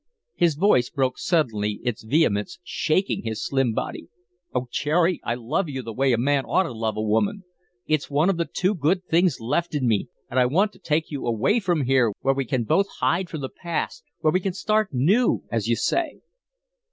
His voice broke suddenly, its vehemence shaking his slim body. "Oh, Cherry, I love you the way a man ought to love a woman. It's one of the two good things left in me, and I want to take you away from here where we can both hide from the past, where we can start new, as you say."